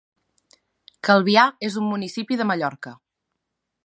Calvià és un municipi de Mallorca.